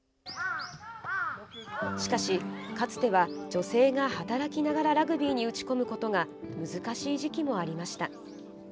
しかし、かつては女性が働きながらラグビーに打ち込むことが難しい時期もありました。